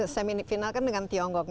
semifinal kan dengan tiongkok